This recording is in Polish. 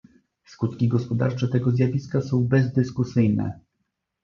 Skutki gospodarcze tego zjawiska są bezdyskusyjne